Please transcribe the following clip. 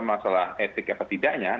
masalah etik apa tidaknya